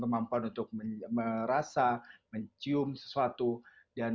terdampar untuk mendingan merasa mencium sesuatu dan